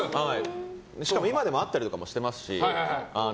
しかも今でも会ったりしてますし。